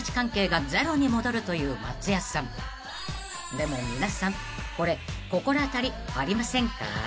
［でも皆さんこれ心当たりありませんか？］